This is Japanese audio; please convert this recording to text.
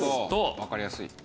わかりやすい。